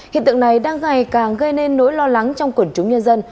hiện tượng này đang ngày càng gây nên nỗi lo lắng trong quần chúng nhân dân